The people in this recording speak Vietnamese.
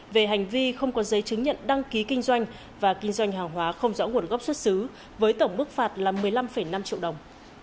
về hành vi không có giấy chứng nhận đăng ký kinh doanh và kinh doanh hàng hóa không rõ nguồn gốc xuất xứ với tổng mức phạt là một mươi năm năm triệu đồng